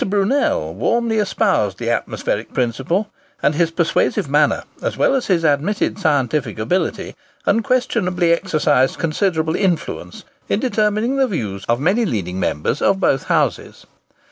Brunel warmly espoused the atmospheric principle, and his persuasive manner, as well as his admitted scientific ability, unquestionably exercised considerable influence in determining the views of many leading members of both Houses.